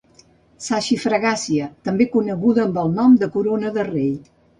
Saxifragàcia també coneguda amb el nom de corona de rei.